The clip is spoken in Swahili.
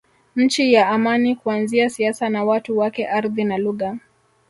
Nchi ya Amani Kuanzia siasa na watu wake ardhi na lugha